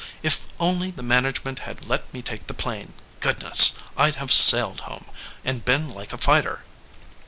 If only the man agement had let me take the plane, goodness ! I d have sailed home, and been like a fighter.